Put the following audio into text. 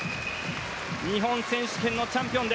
日本選手権のチャンピオン。